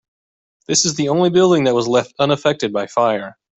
This is the only building that was left unaffected by fire.